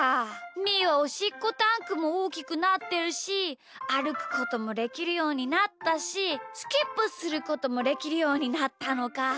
みーはおしっこタンクもおおきくなってるしあるくこともできるようになったしスキップすることもできるようになったのか。